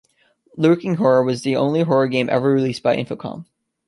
"Lurking Horror" was the only horror game ever released by Infocom.